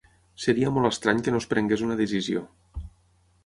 Seria molt estrany que no es prengués una decisió.